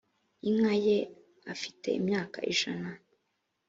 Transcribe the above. inka ye afite imyaka ijana